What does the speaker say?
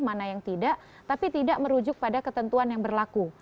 mana yang tidak tapi tidak merujuk pada ketentuan yang berlaku